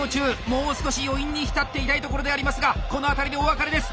もう少し余韻に浸っていたいところでありますがこの辺りでお別れです！